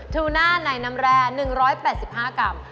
ทูน่าในน้ำแร่๑๘๕กรัม